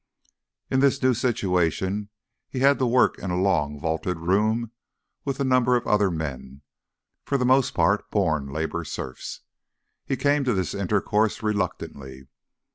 In this new situation he had to work in a long vaulted room with a number of other men, for the most part born Labour Serfs. He came to this intercourse reluctantly.